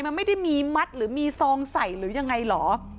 มันไม่ได้มีมัดหรือมีซองใส่หรือยังไงเหรอ